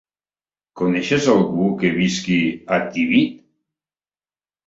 Coneixes algú que visqui a Tibi?